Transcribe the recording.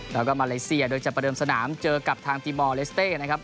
แล้วก็มาเลเซียโดยจะประเดิมสนามเจอกับทางตีมอลเลสเต้นะครับ